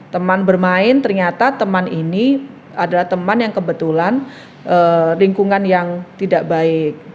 teman bermain ternyata teman ini adalah teman yang kebetulan lingkungan yang tidak baik